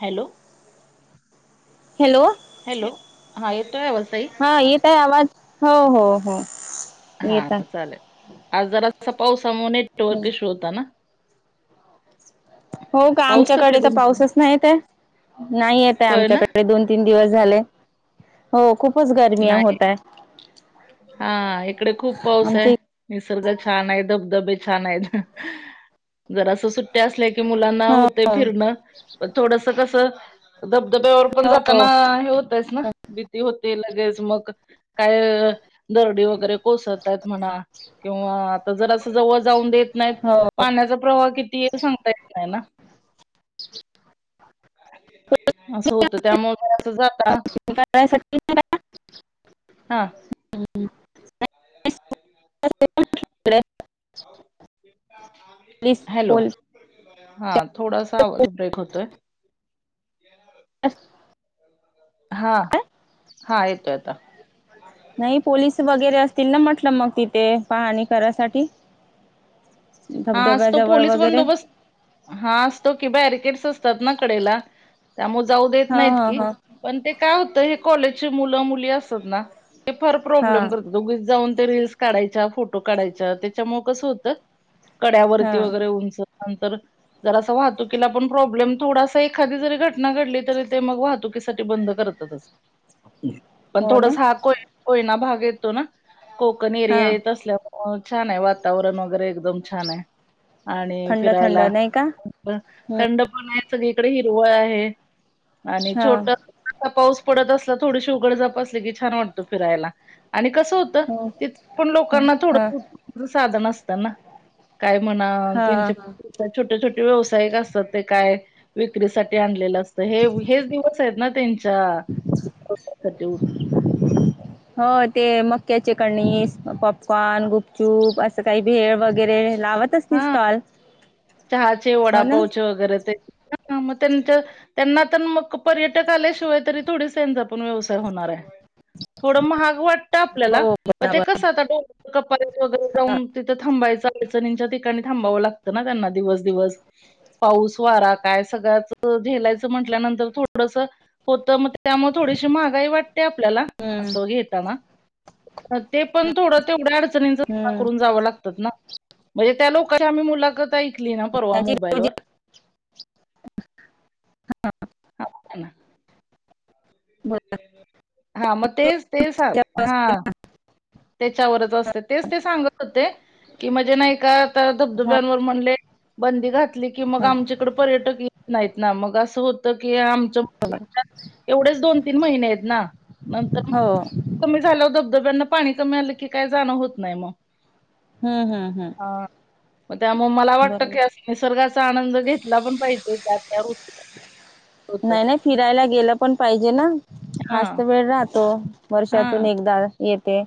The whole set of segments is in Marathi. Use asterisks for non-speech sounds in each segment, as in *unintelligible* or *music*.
हॅलो. हॅलो. हॅलो हा येतोय आवाज ताई. हा येत आहे आवाज हो हो हो. हा येत आहे चाललं आज जरा अस पावसामुळे नेटवर्क इशू होता ना. हो का पाऊस कसा आमच्याकडे आहे तर तुमचा पाऊसच नाहीे येत नाही येते होय ना आमच्याकडे दोन. तीन दिवस झाले हो खूपच गर्मिया नाही होत हाय. हा इकडे खूप पाऊस आहे. निसर्ग छान आहे धब धबे छान आहेत. जर असं सुट्टया असल्या की मुलांना हो. ते फिरण थोडस कस धबधब्यावर पण हो जातना हे होत. चना भीती हो. ते लगेच मग काय दर्डी वगैरे कोसळतायत म्हणा. किंवा आता जर असं जवळ जाऊन देत नाहीत हो पाण्याचा प्रवाह किती. ते सांगता येत नाही ना. असं होतं त्यामुळे असं झालं ना. य सकते का. हा. ह्. पोलीस हॅलो पोलीस हा थोडासा आवाज ब्रेक होतोय. अस. हा हा येतोय आता. नाही पोलीस वगैरे असतील ना म्हटलं मग तिथे पाहाणी करायसाठी. धबधब्या जवळ वगैरे. हा असतो की बॅरिकेडट्स असतात ना कडेला. त्यामुळे जाऊ देत हा नाहीत हा की हा पण ते काय होत हे कॉलेजचे मुलं मुली असतातना. ते फार हा प्रॉब्लेम करतात उगीच जाऊन ते रिल्स काढायच्या फोटो काढायच्या त्याच्यामुळ कसं होतं. हा कड्यावरती वगैरे उंच नंतर. जर अस वाहतुकीला पण प्रॉब्लेम थोडासा एखादी जरी घटना घडली तरी ते मग वाहतुकीसाठी बंद करता. करताच. पण हो ना थोडस हा कोय कोयना भाग येतो ना कोकण हा एरिया येत असल्यावर. अ छान आहे वातावरण वगैरे एकदम छान आहे आणि थंड थंड फिरायला. नाही का थंड पण आहे सगळीकडे हिरवळ आहे आणि हा छोट आता पाऊस पडत असला थोडीशी उघडझाप असली की छान वाटत फिरायला आणि कसं होत. हो तिथे पण हा लोकांना हा थोडं उत्पन्नाच साधन असतं ना. काय म्हणा हा त्यांचे. त्यात छोटे छोटे व्यावसायिक असतात ते काय विक्रीसाठी आणलेलं असतं हे हेच दिवस. हे दिवस आहेत त्यांच्या उत्पना साठी. हं. हो ते मक्याचे कणीस पॉपकॉर्न गुपचूप असं काही भेळ वगैरे लावत. असतील हा स्टॉल चहाचे हो ना वडापावचे वगैरे ते मग त्यांच त्यांना तर मग पर्यटक आल्याशिवाय तरी थोडीस त्यांचा पण व्यवसाय होणार आहे. थोडं महाग वाटत. तआपल्याला हो ते बरोबर कस आ क वगरे जाऊ तिथं थांबायंचं. ठिकाणी थांबावं लागत दिवस दिवस. पाऊस वारा कायसगळ्याच झेलायचं म्हटल्यानंतर थोडसं. होत मग त्यामुळे थोडीशी महागाई वाटते आपल्याला हम्म असं घेताना. ते पण थोडं तेवढ्या अडचणींच जमा हम्म करून जावं लागतात ना. म्हणजे त्या लोकांची आम्ही मुलाखत ऐकली ना परवा त्याची मोबाईल वर. रोजी अ. *unintelligible* हा मग ते च ते च साहा. त्याच्यावरच असते तेच ते सांगत होते की म्हणजे नाही का आता हा धबधब्यांवर म्हणले. बंदी घातली की मग हा आमच्याकड पर्यटक येत नाहीत ना मग असं होतं की आमच. एवढेच दोन तीन महिने आहेत ना नंतर हो मग कमी झाला धबधब्यांना. पाणी कमी आलंकी काय जाणं होत नाही मग. हम्म हम्म हम्म त्यामुळ मला वाटत बरोबर की अस. निसर्गाचा आनंद घेतला पण पाहिजे त्या त्या ऋतू नाही नाही फिरायला गेलं पण पाहिजे ना हा य हां, तरवेळ राहतो. वर्षातून हां. एकदा येते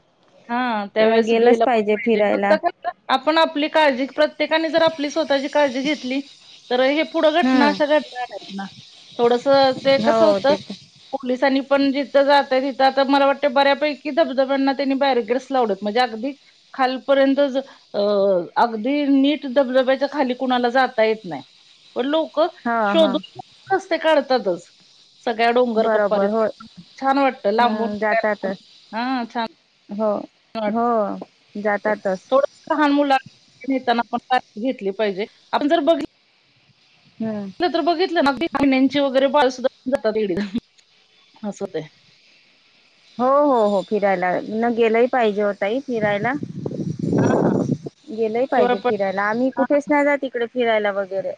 हां, तर त्यावेळेस गेलंच गेलं पण पाहिजे फक्त फिरायला. कसं आपण आपली काळजी प्रत्येकाने जर आपली स्वतःची काळजी घेतली. तर हे पुढं घटना अशा हम्म घडणार आहेत ना थोडस ते कसं हो ते होतं. तर पोलिसांनी पण जिथं जातय तिथं आता मला वाटतं बऱ्यापैकी धबधब्यांना. त्यांनी बाहेर गेस लावत म्हणजे अगदी *unintelligible* खालपर्यंत अ अगदी नीट दबधब्याच्या खाली कुणाला जाता येत नाही. पण लोक हा हा शोधून असते रस्ते काढतातच. सगळ्या डोंगर कपारी बरोबर हो त छान वाटत हम्म लांबूनला जातातच हा छान. हो हो. जातातच थोड लहान मुत लांना *unintelligible* घेतली पाहिजेण ब हम्म. तर बघितलं *inaudible* वगैरे बाळ सुधा जातात एक असं होतंय. हो हो हो फिरायला न गेलंही पाहिजे हो ताई फिरायला. हा गेलंहि शिवाय पाहिजे पण फिरायला आम्ही हा कुठेच नाही जात इकडे फिरायला वगैरे,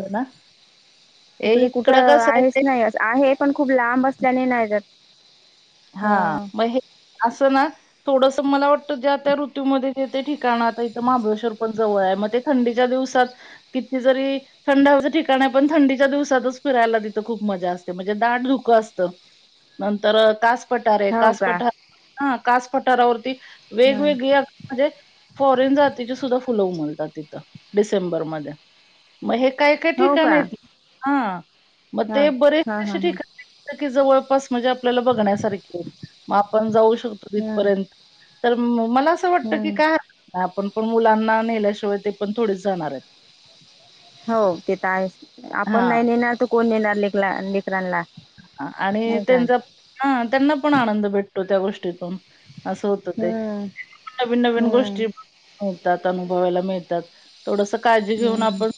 हो ना ए इकडे इकडं कुठं कसं आहे आहेच ते नाही आहे पण खूप लांब असल्याने नाही जात. हा मग हे असं ना थोडस मला वाटत ज्या त्या ऋतूमध्ये ते ठिकाण आता इथं महाबळेश्वर पण जवळ आहे मग ते थंडीच्या दिवसात तिथे जरी थंड हवेचे ठिकाण आहे पण थंडीच्या दिवसातच फिरायला तिथं खूप मज्या असते म्हणजे दाट धुकं असतं. नंतर कास पठारे आहे हो कास का पठारे हा कास पठारावरती ह वेगवेगळी म्हणजे फॉरेन जातीची सुद्धा फुलं उमलतात तिथं डिसेंबरमध्ये मग हे काय काय हो ठिकाण का आहिती हा. मग हा ते हा बरेच से हा हा ठिकाणी की जवळपास म्हणजे आपल्याला बघण्या सारखी मग आपण जाऊ शकतो तिथं हम्म पर्यंत मला असं वाटत की हम्म काय आपण पण मुलांना नेल्याशिवाय ते पण थोडीच जाणार आहेत. हो ते तर आहे आपण हां. नाही नेणार तर कोण लेकलाणा लेक लेकरांना. आणि त्यांच हम्म त्यांना पण आनंद भेटतो त्या गोष्टीतून असं होतं ते हम्म नवीन नवीन हम्म गोष्टी मिळतात अनुभवायला मिळतात. थोडस काळजी घेऊन हम्म आपण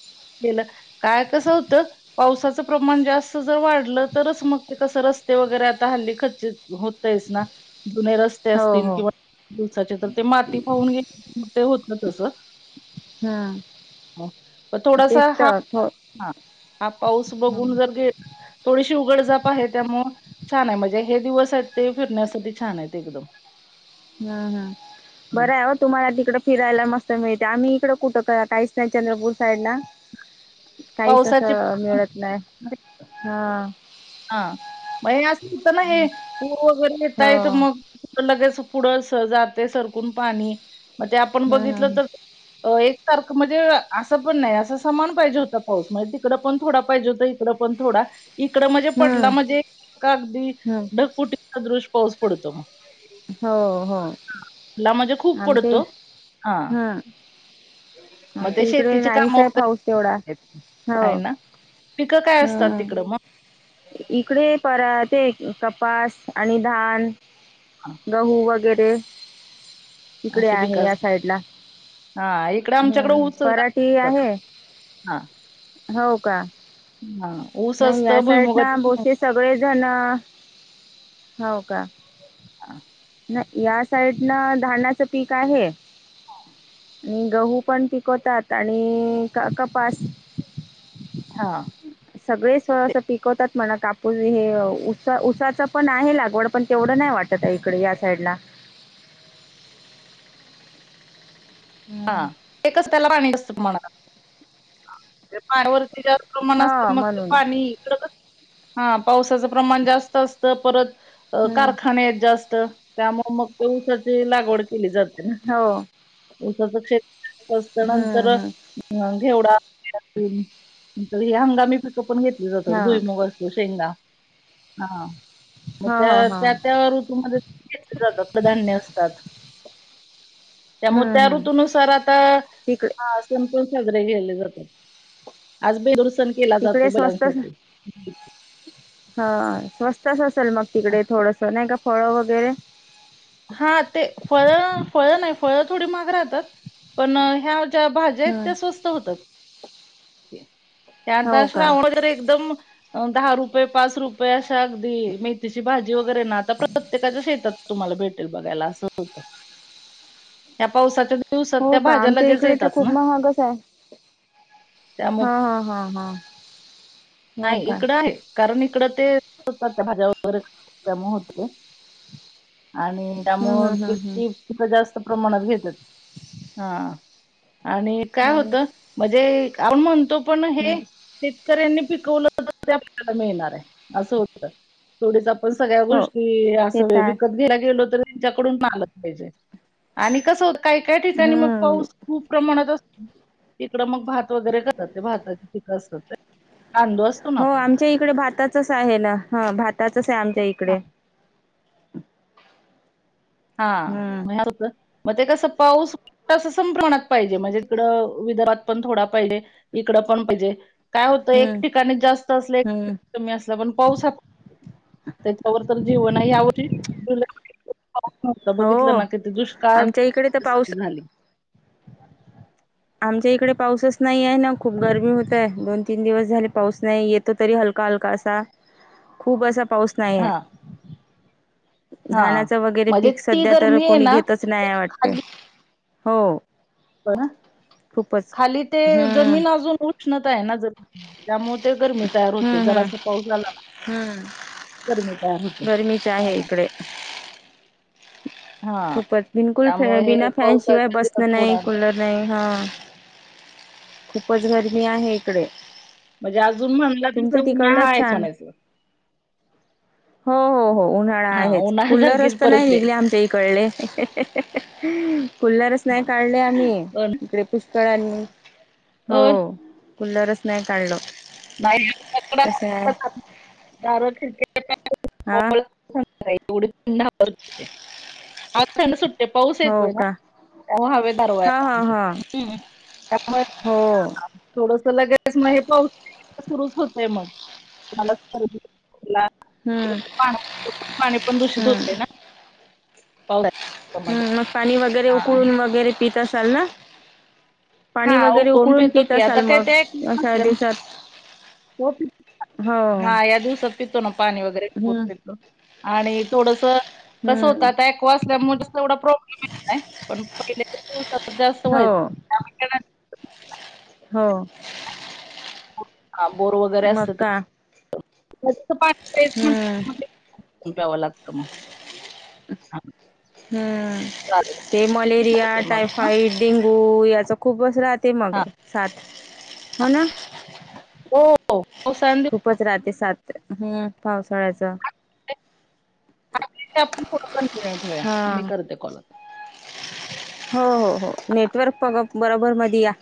केल काय कस होत पावसाचं प्रमाण जास्त जर वाढलं तरच मग ते कस रस् रस्ते वगैरे आता हल्ली खचचित होतेयचं ना जुने रस्ते हो असतील हो किंवा दिवसाचे तर ते माती वाहून गेली की ते होत तसं. हम्म पण तेच थोडासा हा तर थो हा पाऊस बघून हा जर घे उघडझाप आहे त्यामुळं छान आहे म्हणजे हे दिवस आहेत ते फिरण्यासाठी छान आहेत एकदम. हम् हम् हं. बरे आहोत? तुम्हाला तिकडे फिरायला मस्त मिळतंय आम्ही इकडं कुठं करा काहीच नाही चंद्रपूर साईडला, काहीच पावसाचे असं मिळत नाही हा. हा म हे असंच होतना हे पूर गल्लीत हो आहेत मग लगेच पुढं असं जातंय सरकून पाणी मग ते आपण बघितलं हम्म तर एक तारख म्हणजे असं पण नाही असं समान पाहिजे होत. पाऊस म्हणजे तिकडं पण थोडा पाहिजे होता इकड पण थोडा. इकड म्हणजे हम्म पडला म्हणजे का अगदी हम्म ढगफुटीचा दृश पाऊस पडतो. हो हो ला म्हणजे खूप आणखी पडतो हा हम् मग ते आमच्या इकडे शेतीचे काम नाहीच आहे पाऊस तेवढा. वगैरे हो आहे ना पिकं काय असतात हम्म तिकडं मग? इकडे परात ते कपास आणि धाण, हा, गहू वगैरे इकडे अशी आहे पिकं ह्या असतात साईडला. हा इकडे आमच्याकडे हम्म ऊस जास्त पराठी असतात आहे हा हो का. हा ऊस नाही या असतो साईडनं भुईमुगाच्या बोसे सगळेजण हो का. हा नाही या साईडन धाण्याचं पीक आहे. हो आणि गहू पण पिकवतात आणि क कपास. हा सगळे ते असं पिकवतात म्हणा कापूस हे उ उसाचं पण आहे लागवड पण तेवढं नाही वाटत आहे इकडे ह्या साईडला. हम्म. ते कसलं पाणी असत तुम्हांला पाडवरती *unintelligible* प्रमाण अस हो मग म्हणून पाणी, इकडं, हा पावसाचं प्रमाण जास्त असतं परत हम्म. कारखाने आहेत जास्त, त्यामुळ मग ते उसाची लागवड केली जाते. हो. उसाच क्षेत्र असतं नंतर, हम्म अ हम्म. घेवडा, सोयाबीन नंतर हि हंगामी पिकं पण घेतली जातात, हां भुईमग असतो, शेंगा हा, मग हां हां हां त्या त्या ऋतुमध्ये घेतली जातात, कडधान्य असतात, त्यामुळे त्या हम्म हम्म. ऋतनुसार आता तिकडे हा. सण पण साजरे केले जातात, आज बेदुंरसण केला जातो तिकडे बैलांसाठी. हा, स्वस्तच असेल मग तिकडे थोडंसं, नाही का फळं वगैरे. हा, ते फळं फळं नाही, फळं थोडी महाग राहतात, पण ह्या ज्या भाज्या हायत हं. त्या स्वस्त होतात. त्यात हो का श्रावण वगैरे एकदम, दहा रुपये पाच रुप पयाशा अगदी मेथीची भाजी वगैरे ना, आता प्रत्येकाच्या शेतात तुम्हाला भेटनार, पण बघायला असं होतं, त्या पावसाच्या भि हो का, आमच्या इकडे तर खूप महागच आहे. त्यामुळे हा हा हा हा. हो नाही, का इकडं आहे, कारण इकडं ते होतात त्या भाज्या वगैरे असल्यामुळे कमी होते ओ. आणि हम्म त्यामुळ हम्म हम्म गिरणी. *unintelligible* तिथं जास्त प्रमाणात घेतात,, हा आणि हम्म काय हो होतं, म्हणजे आपण म्हणतो पण हे, हम्म शेतकऱ्यांनी पिकवलं तर ते आपल्याला मिळणार हाय, असं होतं. थोडीच आपण सगळ्या हो गोष्टी, ते तर असं आहे विकत घ्यायला गेलो तरी त्यांच्याकडून माल आलं पाहिजे, आणि कसं हो काही काय ठिकाणी मग हम्म पाऊस खूप प्रमाणात असं, इकडं मग भात वगैरे करतात, भाताची पिकं असतात ते अंदवस हो, आमच्या इकडे भाताचच आहे ना, हं भाताचच आहे आमच्या इकडे. हां, हम्म माहेराचं म ते कसं पाऊस, तसं सम प्रमाणात पाहिजे, म्हणजे तिकडं, विदर्भात पण थोडा पाहिजे, इकडं पण पाहिजे, काय होतं एक हम्म ठिकाणी जास्त असलं की हम्म कमी असला, पण पाऊस हा, त्याच्यावर तर जीवन आहे, यावर्षी आता बघितलं हो ना, किती दुष्काळ आमच्या इकडे तर पाऊस परिस्थिती झाली. आमच्या इकडे पाऊसच नाई ये ना, खूप गरमी होतय, दोन तीन दिवस झाले पाऊस नाही येत. इथं तरी हलका हलका असा, खूप असा पाऊस नाई ये, हा. हा धानाच वगैरे म्हणजे पीक ती सध्या तर, गरमी आहे कोणी ना घेतच ते नाही हाय वाटतंय, हो. बरं, खूपच खाली ते हम्म जमीन अजून उष्णता आहे ना जमीन. त्यामुळे ते गरमी तयार होते, हम्म हम्म जरासं पाऊस झाला ना. हम्म गर्मी तयार होते गरमीच आहे ओ. इकडे हा खूपच, बिलकुल फ त्यामुळे हे बिना फॅन शिवाय पावसाच्या दिवस बसणं नाही, थोडा कुलर नाही हा,, खूपच गरमी आहे इकडे. म्हणजे अजून म्हणलं तिथं तुमचं उन्हाळा तिकडलंच हाये चालु छान म्हणायचं. हो हो हो उन्हाळा हा आहेच, कुलर उन्हाळ्यासारखीच असताना परिस्थिती आहे ले आमचा इकडले, कुलरच नाही काढले आम्ही, पण हो ना. इकडे कळ्यांनी, हो होय. कुलरच नाही काढलं. नाही दार खिडक्या हा *inaudible* एवढे *inaudible* ह थंड सुट्टते पाऊस हो येतोय ना ते हवेत गारवा या. हां हो थोडस लगेस म हे पाऊस सुरुच होतंय मग. *unintelligible* हम्म पाणी पण दूषित हम्म होते ना पावसामध्ये हम् मग पाणी वगैरे, हा उकळून वगैरे पित असाल ना. हा पाणी वगैरे उकळून पेतो पित की, आता असाल काय मग ते. अशा दिवसात हो. हा या दिवसांत पितो ना पाणी वगैरे हम्म उकळुन पितो. आणि थोडंसं कसं होतं हम्म आता ऐकवा असल्यामुळे एवढा प्रॉब्लेम येत नाई, पण पहिले च्या दिवसात जास्त व्हायचं. हो नाही, हो. हा बोर वगैरे मग असतं का तर, नदीचं पाणी प्यायचं हम्म ळुण प्यावं लागतं. हा, हम्म चालेल ते मी मलेरिया, करते मग हा टायफाईड, डेंगू यांचं खूपच असतात. ते मग हा सात हो ना. हो पावसांदी *inaudible* खूपच राहते सात, हम् पावसाळ्याच हे आपण पुढे कंटिन्यू ठेऊया मी हा करते तुझं. हो हो हो नेटवर्क पग बरोबर मध्ये या.